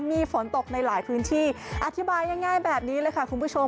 มีฝนตกในหลายพื้นที่อธิบายง่ายแบบนี้เลยค่ะคุณผู้ชม